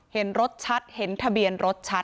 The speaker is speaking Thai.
เห็นรถชัดเห็นทะเบียนรถชัด